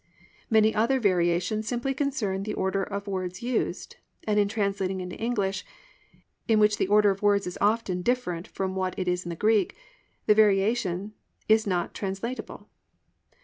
Many other variations simply concern the order of the words used, and in translating into English, in which the order of words is often different from what it is in the Greek, the variation is not translatable.